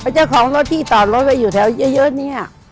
เจ้าของรถที่ต่อจะอยู่แถวเยอะเยอะนี้